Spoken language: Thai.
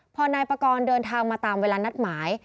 พอนายปากรเดินทางมาตามเวลานัดหมาย